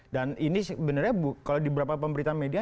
dan ini sebenarnya kalau di beberapa pemberitaan media